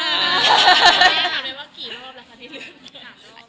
แล้วคิดว่ากี่รอบนะคะที่เริ่ม